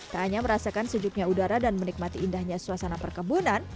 tak hanya merasakan sejuknya udara dan menikmati indahnya suasana perkebunan